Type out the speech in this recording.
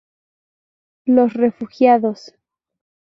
Los refugiados.